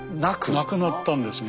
なくなったんですね。